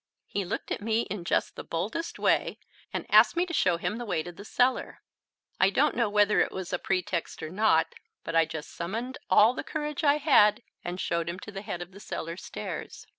He looked at me in just the boldest way and asked me to show him the way to the cellar. I don't know whether it was a pretext or not, but I just summoned all the courage I had and showed him to the head of the cellar stairs.